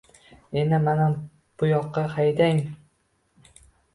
— Endi, mana buyoqqa haydang!